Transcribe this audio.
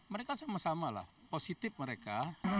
mereka sama sama lah positif mereka